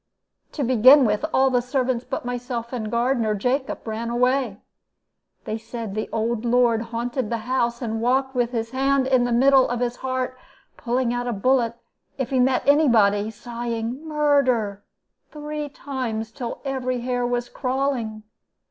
To begin with, all the servants but myself and gardener Jacob ran away. They said that the old lord haunted the house, and walked with his hand in the middle of his heart, pulling out a bullet if he met any body, and sighing 'murder' three times, till every hair was crawling.